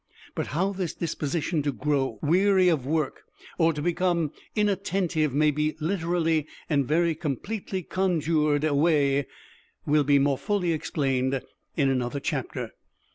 But how this disposition to grow weary of work or to become inattentive may be literally and very completely conjured away will be more fully explained in another chapter.